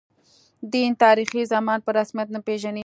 دین، تاریخي زمان په رسمیت نه پېژني.